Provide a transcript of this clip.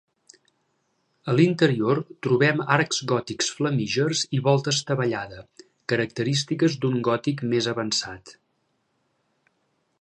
A l'interior trobem arcs gòtics flamígers i volta estavellada, característiques d'un gòtic més avançat.